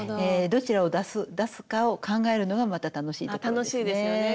どちらを出すかを考えるのがまた楽しいところですね。